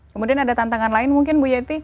kemudian ada tantangan lain mungkin bu yeti